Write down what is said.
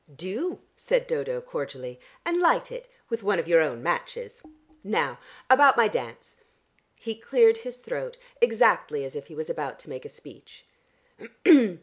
"Do!" said Dodo cordially. "And light it with one of your own matches. Now about my dance." He cleared his throat exactly as if he was about to make a speech.